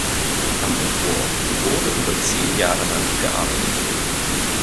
Am Entwurf wurde über zehn Jahre lang gearbeitet.